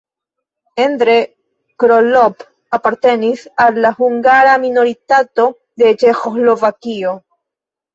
Endre Krolopp apartenis al la hungara minoritato de Ĉeĥoslovakio.